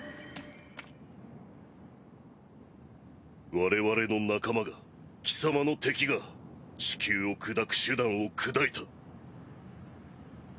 我々の仲間が貴様の敵が地球を砕く手段を砕いた。